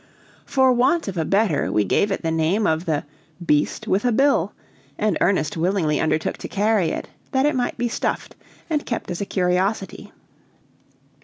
For want of a better, we gave it the name of the "Beast with a Bill," and Ernest willingly undertook to carry it, that it might be stuffed and kept as a curiosity.